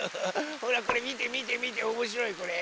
ほらこれみてみてみておもしろいこれ。